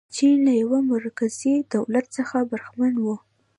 چین له یوه مرکزي دولت څخه برخمن و.